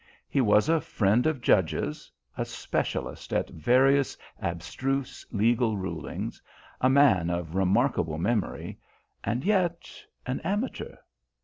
He was a friend of judges, a specialist at various abstruse legal rulings, a man of remarkable memory, and yet an amateur.